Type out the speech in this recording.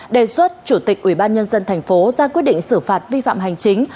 đề xuất chủ tịch ủy ban nhân dân thành phố ra quyết định xử phạt vi phạm hành chính